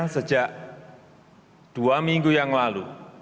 sejak dua minggu